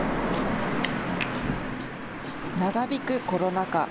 長引くコロナ禍。